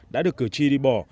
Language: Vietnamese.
đã được cử tri đi bỏ